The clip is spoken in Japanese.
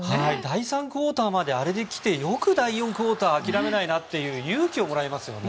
第３クオーターまであれで来てよく第４クオーター諦めないなという勇気をもらいますよね。